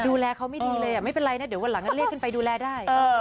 ดูแลเขาไม่ดีเลยไม่เป็นไรนะเดี๋ยววันหลังนั้นเรียกขึ้นไปดูแลได้